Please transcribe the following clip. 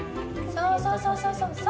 そうそうそうそうそう。